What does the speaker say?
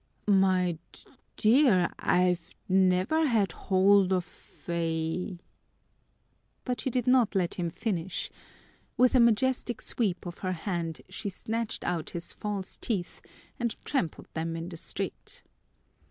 "My d dear, I've never had hold of a " But she did not let him finish. With a majestic sweep of her hand she snatched out his false teeth and trampled them in the street.